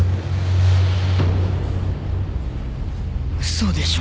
嘘でしょ？